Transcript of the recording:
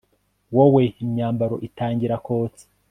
wowe, imyambaro itangira kotsa